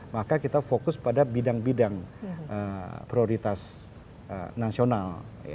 maka kita fokus pada bidang bidang prioritas nasional